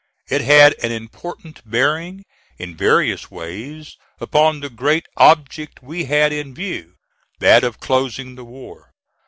It had an important bearing, in various ways, upon the great object we had in view, that of closing the war.